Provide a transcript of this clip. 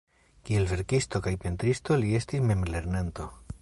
Kiel verkisto kaj pentristo li estis memlernanto.